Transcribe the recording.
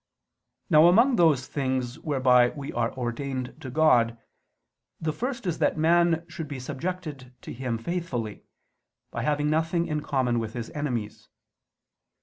Now among those things whereby we are ordained to God, the first is that man should be subjected to Him faithfully, by having nothing in common with His enemies.